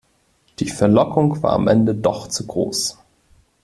Die Verlockung war am Ende doch zu groß.